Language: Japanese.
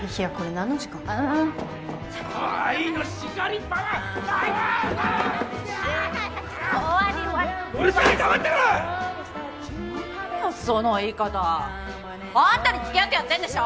何よその言い方！！あんたに付き合ってやってんでしょ！